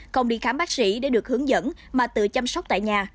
không đi khám bác sĩ để được hướng dẫn mà tự chăm sóc tại nhà